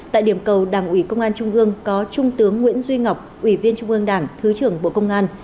tại điểm cầu đảng ủy công an trung ương có trung tướng nguyễn duy ngọc ủy viên trung ương đảng thứ trưởng bộ công an